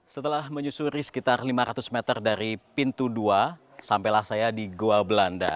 setelah menyusuri sekitar lima ratus meter dari pintu dua sampailah saya di gua belanda